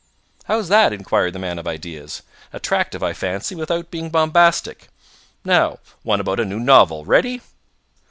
"How's that?" inquired the man of ideas. "Attractive, I fancy, without being bombastic. Now, one about a new novel. Ready?"